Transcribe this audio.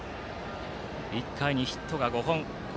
１回にヒットが５本。